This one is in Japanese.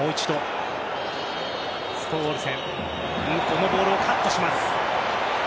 このボールをカットします。